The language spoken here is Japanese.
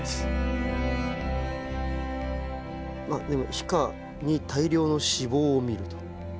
皮下に大量の脂肪をみると。